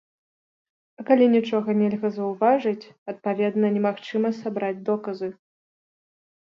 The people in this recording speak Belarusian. А калі нічога нельга заўважыць, адпаведна, немагчыма сабраць доказы.